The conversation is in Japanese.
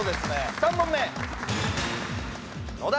３問目！